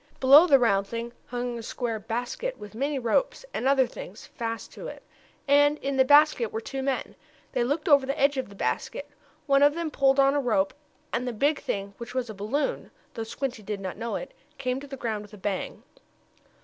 Below the round thing hung a square basket, with many ropes, and other things, fast to it. And in the basket were two men. They looked over the edge of the basket. One of them pulled on a rope, and the big thing, which was a balloon, though Squinty did not know it, came to the ground with a bang.